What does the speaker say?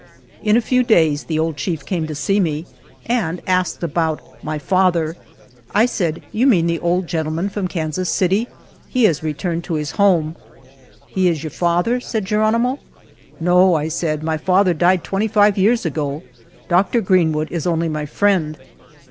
In a few days the old chief came to see me and asked about " my father." I said " you mean the old gentleman from Kansas City — he has returned to his home." " He is you father?" said Geronimo. "No," I said, "my father died twenty five years ago, Dr. Greenwood is only my friend."